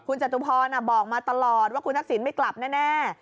คุณจตุพรบอกมาตลอดว่าคุณทักษิณไม่กลับแน่